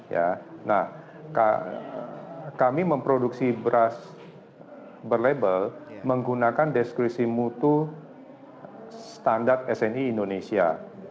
ya nah kami memproduksi beras berlabel menggunakan deskripsi mutu standar sni indonesia